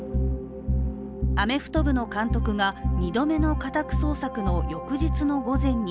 アメフト部の監督が２度目の家宅捜索の翌日の午前に